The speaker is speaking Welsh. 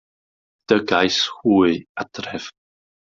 Dygais hwy adref.